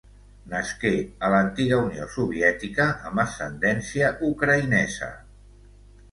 Nasqué a l'antiga Unió Soviètica amb ascendència ucraïnesa.